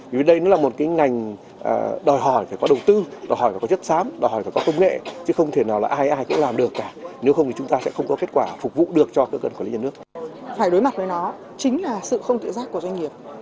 phải đối mặt với nó chính là sự không tự giác của doanh nghiệp